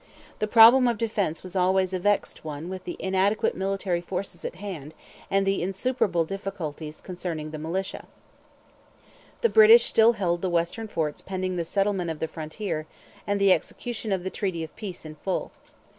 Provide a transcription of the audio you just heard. The problem of defence was always a vexed one with the inadequate military forces at hand and the insuperable difficulties concerning the militia. The British still held the Western forts pending the settlement of the frontier and the execution of the treaty of peace in full.